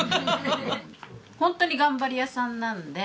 ホントに頑張り屋さんなんで。